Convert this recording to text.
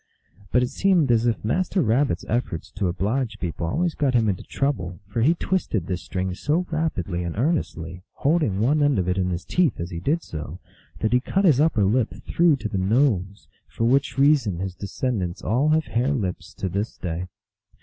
But it seemed as if Master Rabbit s efforts to oblige people always got him into trouble, for he twisted this string so rapidty and earnestly, holding one end of it in his teeth as he did so, that he cut his upper lip through to the nose, for which reason his descendants all have hare lips to this day.